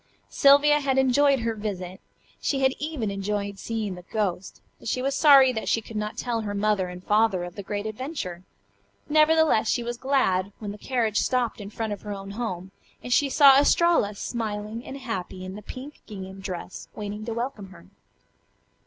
Sylvia had enjoyed her visit. She had even enjoyed seeing the "ghost," but she was sorry that she could not tell her mother and father of the great adventure. Nevertheless she was glad when the carriage stopped in front of her own home, and she saw Estralla, smiling and happy in the pink gingham dress, waiting to welcome her.